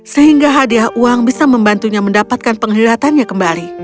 sehingga hadiah uang bisa membantunya mendapatkan penghidratannya kembali